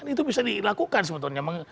itu bisa dilakukan sebetulnya